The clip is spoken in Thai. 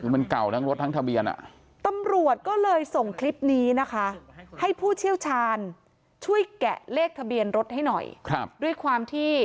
มันเก่าทั้งรถทั้งทะเบียนอ่ะ